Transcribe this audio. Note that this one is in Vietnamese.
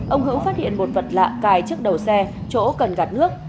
ông hữu phát hiện một vật lạ cài trước đầu xe chỗ cần gạt nước